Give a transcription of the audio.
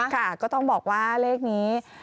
ก็ต้องบอกว่าเลขนี้